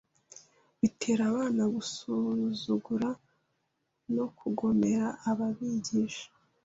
bitera abana gusuzugura no kugomera ababigisha